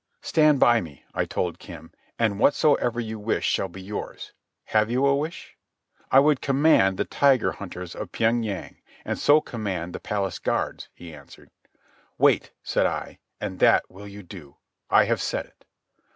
"Stand by me," I told Kim, "and whatsoever you wish shall be yours. Have you a wish?" "I would command the Tiger Hunters of Pyeng Yang, and so command the palace guards," he answered. "Wait," said I, "and that will you do. I have said it."